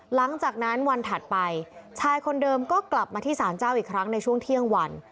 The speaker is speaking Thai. หลังจากนั้นวันถัดไปชายคนเดิมก็กลับมาที่สารเจ้าอีกครั้งในช่วงเที่ยงวัน